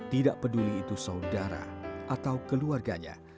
tidak peduli itu saudara atau keluarganya